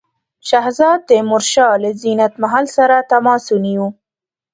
شهزاده تیمورشاه له زینت محل سره تماس ونیو.